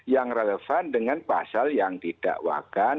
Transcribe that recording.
yang relevan dengan pasal yang tidak wakan